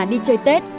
đi chơi tết